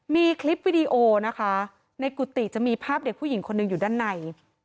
มีคลิปวิดีโอนะคะในกุฏิจะมีภาพเด็กผู้หญิงคนหนึ่งอยู่ด้านใน